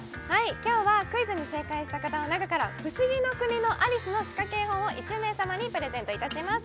今日はクイズに正解した方の中から「不思議の国のアリス」のしかけ絵本を１名さまにプレゼントいたします